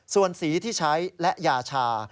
ส่วนสีที่ใช้และยาชา